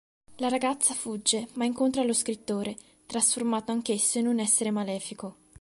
La ragazza fugge ma incontra lo scrittore, trasformato anch'esso in un essere malefico.